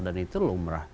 dan itu lumrah